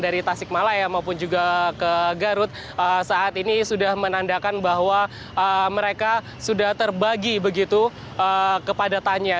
dari tasikmalaya maupun juga ke garut saat ini sudah menandakan bahwa mereka sudah terbagi begitu kepadatannya